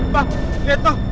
pak lihat tuh